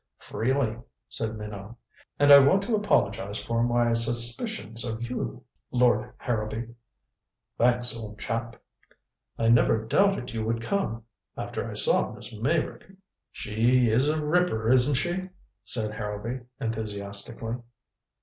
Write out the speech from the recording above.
"Freely," said Minot. "And I want to apologize for my suspicions of you, Lord Harrowby." "Thanks, old chap." "I never doubted you would come after I saw Miss Meyrick." "She is a ripper, isn't she?" said Harrowby enthusiastically.